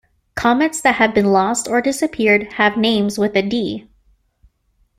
Comets that have been lost or disappeared have names with a "D".